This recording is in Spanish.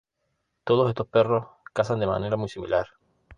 Todos estos perros cazan de manera muy similar.